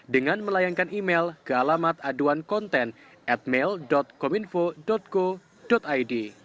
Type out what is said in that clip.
dengan melayangkan email ke alamat aduan konten at mail kominfo co id